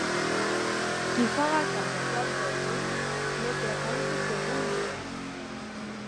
Qui fa la casa prop del riu, no té gaire segur el niu.